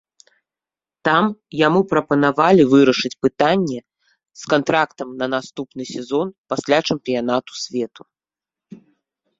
Там яму прапанавалі вырашыць пытанне з кантрактам на наступны сезон пасля чэмпіянату свету.